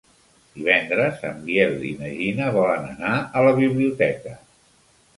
Divendres en Biel i na Gina volen anar a la biblioteca.